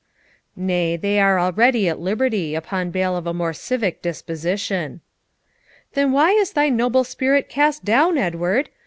'Nay, they are already at liberty, upon bail of a more civic disposition.' 'Then why is thy noble spirit cast down, Edward?